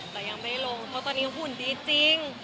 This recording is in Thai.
แต่ยังไม่ลงเพราะตอนนี้หุ่นดีจริง